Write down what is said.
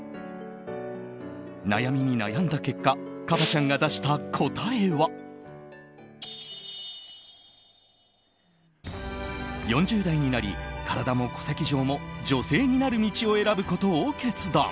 悩みに悩んだ結果ＫＡＢＡ．ちゃんが出した答えは４０代になり体も戸籍上も女性になる道を選ぶことを決断。